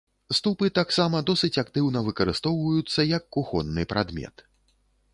Ступы таксама досыць актыўна выкарыстоўваюцца як кухонны прадмет.